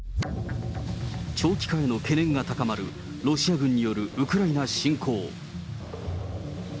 長期化への懸念が高まるロシア軍によるウクライナ侵攻。